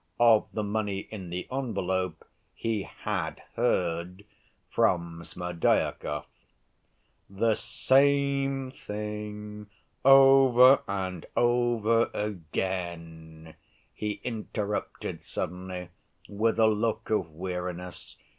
Of the money in the envelope he had heard from Smerdyakov. "The same thing over and over again," he interrupted suddenly, with a look of weariness.